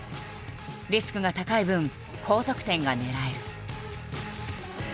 リスクが高い分高得点が狙える。